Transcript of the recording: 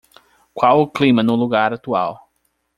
Qual o clima no lugar atual?